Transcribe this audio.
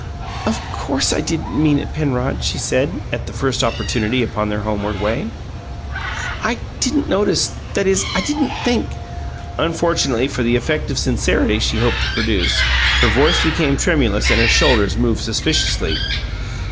"Of course I didn't mean it, Penrod," she said, at the first opportunity upon their homeward way. "I didn't notice that is, I didn't think " Unfortunately for the effect of sincerity she hoped to produce, her voice became tremulous and her shoulders moved suspiciously.